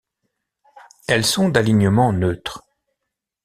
Elles sont d'alignement neutre.